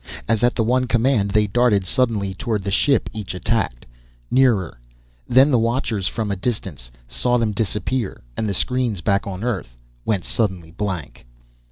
As at the one command, they darted suddenly toward the ship each attacked nearer then the watchers from a distance saw them disappear, and the screens back on Earth went suddenly blank.